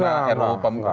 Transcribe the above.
karena ru pemilu